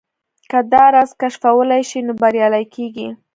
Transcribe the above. که دا راز کشفولای شئ نو بريالي کېږئ.